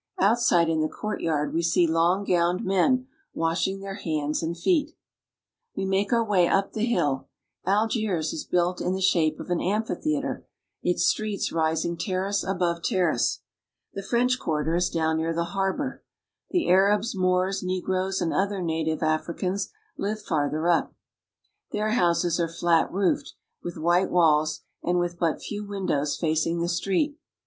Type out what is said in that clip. Out I side in the courtyard we see long gowned men washing } their hands and feet We make our way up the hill. Algiers is built in the I shape of an amphitheater, its streets rising terrace above terrace. The French quarter is down near the harbor. j The Arabs, Moors, negroes, and other native Africans live ■ farther up. Their houses are flat roofed, with white walls <Biid with but few windows facing the street.